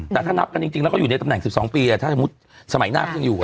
แต่ถ้านับกันจริงแล้วก็อยู่ในตำแหน่ง๑๒ปีถ้าสมมุติสมัยหน้าก็ยังอยู่กัน